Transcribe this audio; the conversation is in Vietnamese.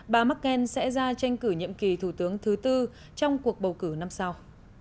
bà merkel sẽ ra tranh cử nhiệm kỳ thủ tướng thứ tư trong cuộc bầu cử năm sau